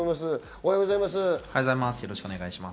おはようございます。